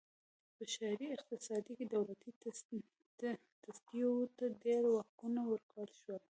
په ښاري اقتصاد کې دولتي تصدیو ته ډېر واکونه ورکړل شول.